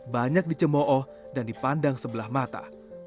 banyak dicemooh dan dipandang sebelah mata